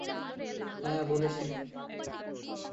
হ্যাঁ, বলছি।